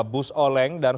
bus oleng dan